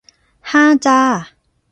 ห้าจ้ะ